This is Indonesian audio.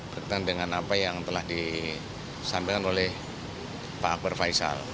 berkaitan dengan apa yang telah disampaikan oleh pak akbar faisal